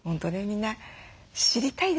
みんな知りたいですもんね。